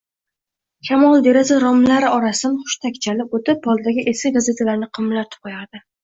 Shamol deraza romlari orasidan hushtak chalib oʻtib, poldagi eski gazetalarni qimirlatib qoʻyardi.